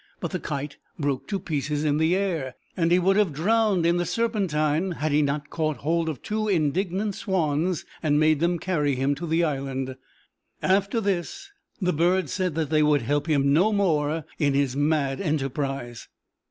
But the kite broke to pieces in the air, and he would have drowned in the Serpentine had he not caught hold of two indignant swans and made them carry him to the island. After this the birds said that they would help him no more in his mad enterprise.